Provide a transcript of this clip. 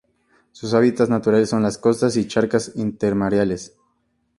Sus hábitats naturales son las costas y charcas intermareales.